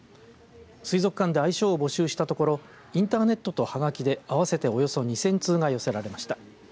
水族館で愛称を募集したところインターネットとはがきで合わせておよそ２０００通が寄せられました。